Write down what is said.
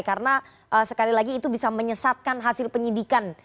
karena sekali lagi itu bisa menyesatkan hasil penyidikan